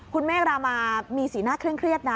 คุณเมฆรามามีสีหน้าเคร่งเครียดนะ